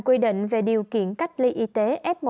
quy định về điều kiện cách ly y tế f một